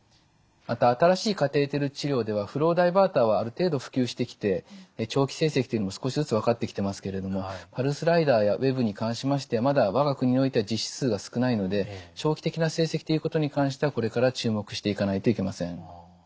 また新しいカテーテル治療ではフローダイバーターはある程度普及してきて長期成績というのも少しずつ分かってきてますけれどもパルスライダーやＷ−ＥＢに関しましてはまだ我が国においては実施数が少ないので長期的な成績ということに関してはこれから注目していかないといけません。